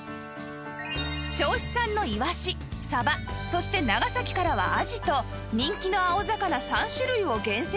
銚子産のいわしさばそして長崎からはあじと人気の青魚３種類を厳選しました